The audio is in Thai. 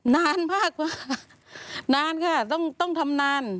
นานมากกว่านานค่ะต้องทำนาน